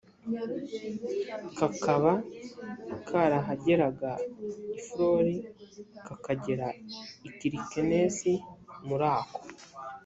kakaba karaheraga i flor kakagera i kirkenes muri ako